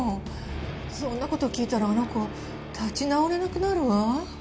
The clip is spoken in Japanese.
そんな事聞いたらあの子立ち直れなくなるわ。